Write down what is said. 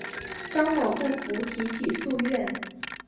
张某不服提起诉愿。